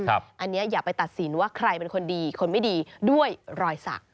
อันนี้อย่าไปตัดสินว่าใครเป็นคนดีคนไม่ดีด้วยรอยสัก